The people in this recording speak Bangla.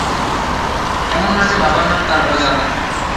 এমন না যে বাবার নাম তার অজানা।